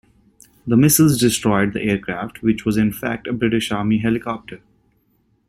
The missiles destroyed the aircraft, which was in fact a British Army helicopter.